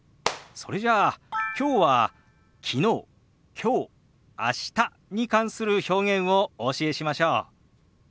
それじゃあきょうは昨日きょう明日に関する表現をお教えしましょう。